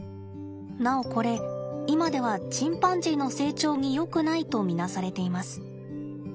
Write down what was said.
なおこれ今ではチンパンジーの成長によくないと見なされています。